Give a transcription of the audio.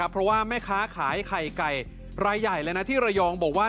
เพราะว่าแม่ค้าขายไข่ไก่รายใหญ่เลยนะที่ระยองบอกว่า